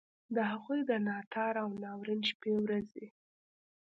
د هغوی د ناتار او ناورین شپې ورځي.